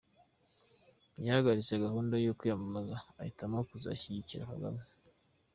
Yahagaritse gahunda yo kwiyamamaza ahitamo kuzashyigikira Kagame